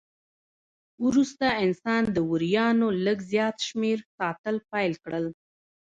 وروسته انسان د وریانو لږ زیات شمېر ساتل پیل کړل.